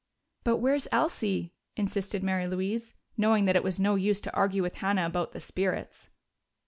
"But where's Elsie?" insisted Mary Louise, knowing that it was no use to argue with Hannah about the "spirits."